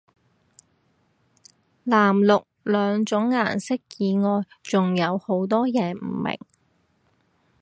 藍綠兩種顏色以外仲有好多嘢唔明